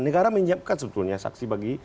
negara menyiapkan sebetulnya saksi bagi